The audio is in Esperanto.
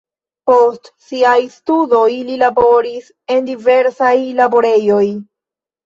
Post siaj studoj li laboris en diversaj laborejoj.